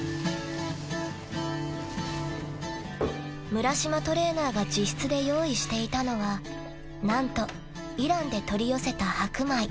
［村島トレーナーが自室で用意していたのは何とイランで取り寄せた白米］